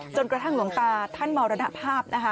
จนกระทั่งหลวงตาท่านมรณภาพนะคะ